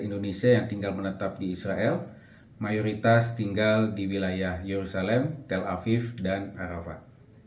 indonesia yang tinggal menetap di israel mayoritas tinggal di wilayah yerusalem tel aviv dan arafah